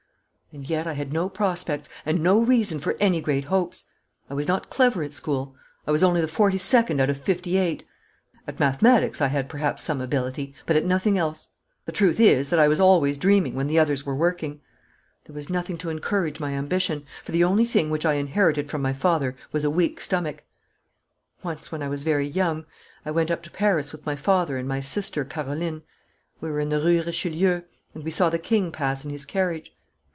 And yet I had no prospects and no reason for any great hopes. I was not clever at school. I was only the forty second out of fifty eight. At mathematics I had perhaps some ability, but at nothing else. The truth is that I was always dreaming when the others were working. There was nothing to encourage my ambition, for the only thing which I inherited from my father was a weak stomach. Once, when I was very young, I went up to Paris with my father and my sister Caroline. We were in the Rue Richelieu, and we saw the king pass in his carriage.